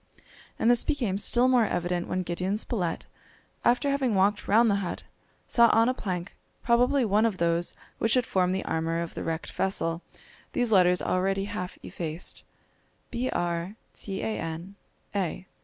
And this became still more evident when Gideon Spilett, after having walked round the hut, saw on a plank, probably one of those which had formed the armour of the wrecked vessel, these letters already half effaced: "Br tan a."